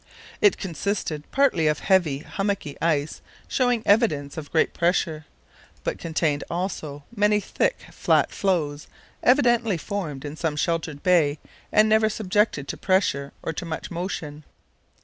It consisted partly of heavy hummocky ice showing evidence of great pressure, but contained also many thick, flat floes evidently formed in some sheltered bay and never subjected to pressure or to much motion.